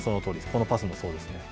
このパスもそうです。